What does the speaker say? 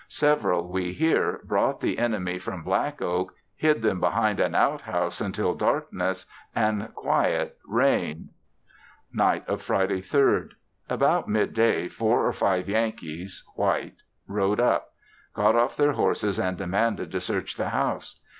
Several, we hear, brought the enemy from Black Oak, hid them behind an out house until darkness and quiet reigned. Night of Friday 3rd. About midday four or five Yankees (white) rode up; got off their horses and demanded to search the house.